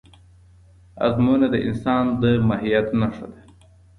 ازموینه د انسان د ماهیت نښه ده.